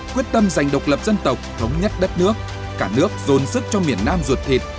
quyết tâm giành độc lập dân tộc thống nhất đất nước cả nước dồn sức cho miền nam ruột thịt